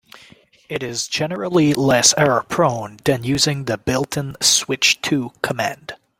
It is generally less error-prone than using the built-in "switch to" command.